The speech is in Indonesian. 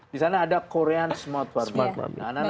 di sana ada korean smart platform